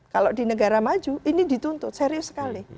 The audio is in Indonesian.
kalau di negara maju ini dituntut serius sekali